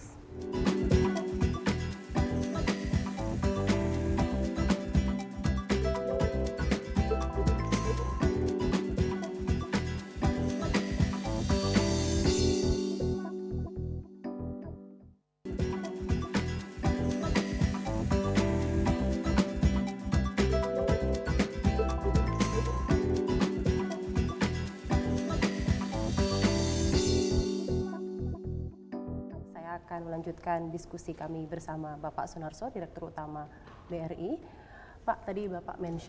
saya akan melanjutkan diskusi kami bersama bapak sonarso direktur utama bri pak tadi bapak menurut saya